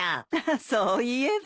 そういえば。